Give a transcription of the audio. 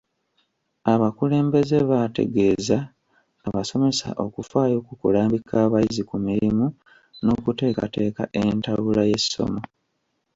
Abakulembeze baategeeza abasomesa okufaayo ku kulambika abayizi ku mirimu n'okuteekateeka entabula y'essomo.